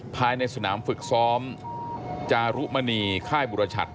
ภายในสนามฝึกซ้อมจารุมณีค่ายบุรชัด